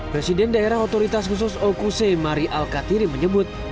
presiden daerah otoritas khusus okuse mari al katiri menyebut